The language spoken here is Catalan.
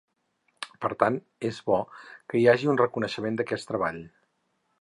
Per tant, és bo que hi hagi un reconeixement d’aquest treball.